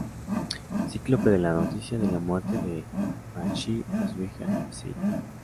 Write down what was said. Cíclope da la noticia de la muerte de Banshee a su hija, Siryn.